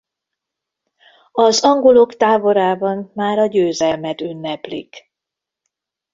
Az angolok táborában már a győzelmet ünneplik.